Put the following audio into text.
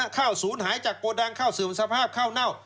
ข้าวสูญหายจากโกดังข้าวสื่อมสภาพข้าวเน่า